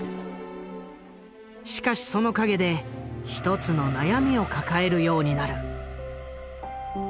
しかしその陰で１つの悩みを抱えるようになる。